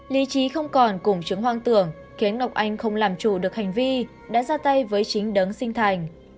lý trí không còn cùng chứng hoang tưởng khiến ngọc anh không làm chủ được hành vi đã ra tay với chính đấng sinh thành